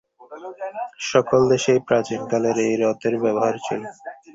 সকল দেশেই প্রাচীনকালে এই রথের ব্যবহার ছিল।